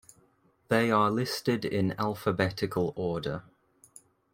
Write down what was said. They are listed in alphabetical order.